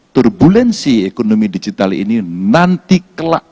turbulensi ekonomi digital ini nanti akan muncul terus lagi